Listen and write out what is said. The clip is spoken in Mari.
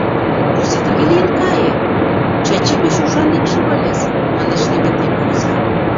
— Кузе тыге лийын каен, Чачи пеш ушан икшыве ыльыс? — манеш Левентей кугыза.